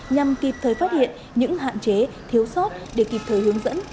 nhằm kịp thời phát hiện những hạn chế thiếu sót để kịp thời hướng dẫn